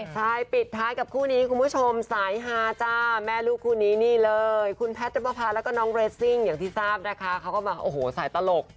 ใส่ปิดท้ายกับคู่นี้คุณผู้ชมสายฮาจ้ะแม่ลูกคู่นี้นี้เลยคุณแพทน์และมำพาร์และน้องเรซิงอย่างที่ทราบนะคะเขาก็บอกว่าสายตลก